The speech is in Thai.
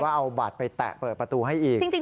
เอาบัตรไปแตะเปิดประตูให้อีก